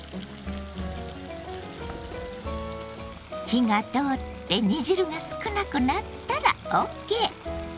火が通って煮汁が少なくなったらＯＫ。